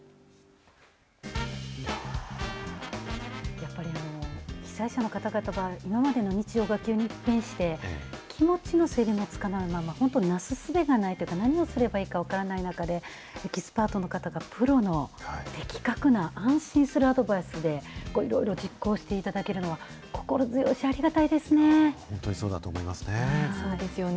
やっぱり、被災者の方々は、今までの日常が一変して、気持ちの整理がつかないまま、本当になすすべがないというか、何をすればいいか分からない中で、エキスパートの方が、プロの的確な、安心するアドバイスで、いろいろ実行していただけるのは、本当にそうだと思いますね。